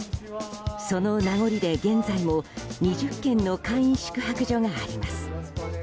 その名残で現在も２０軒の簡易宿泊所があります。